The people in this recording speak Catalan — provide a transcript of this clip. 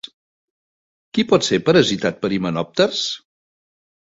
Qui pot ser parasitat per himenòpters?